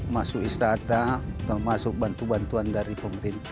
masuk wisata masuk bantu bantuan dari pemerintah